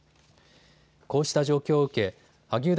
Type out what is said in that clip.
こうした状況を受け萩生田